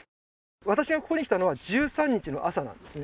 私がここに来たのは１３日の朝なんですね